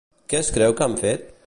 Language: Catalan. Què es creu que han fet?